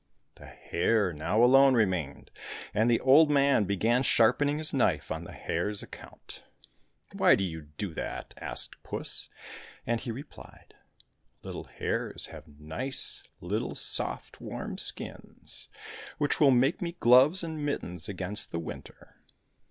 The hare now alone remained, and the old man began sharpening his knife on the hare's account. " Why do you do that }" asked puss, and he replied, " Little hares have nice little soft warm skins, which will make me gloves and mittens against the winter